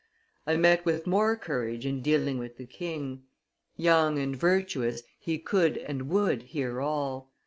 I met with more courage in dealing with the king. Young and virtuous, he could and would hear all.